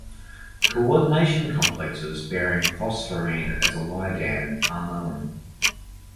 Coordination complexes bearing phosphorine as a ligand are known.